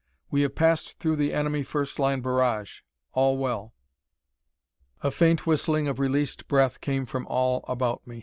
"We have passed through the enemy first line barrage. All well." A faint whistling of released breath came from all about me.